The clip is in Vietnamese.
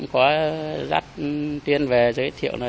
có dắt tiên về giới thiệu